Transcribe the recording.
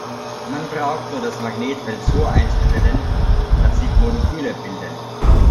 Man braucht nur das Magnetfeld so einzustellen, dass sich Moleküle bilden.